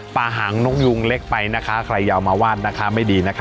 หางนกยุงเล็กไปนะคะใครจะเอามาวาดนะคะไม่ดีนะคะ